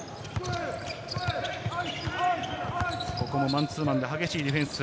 マンツーマンで激しいディフェンス。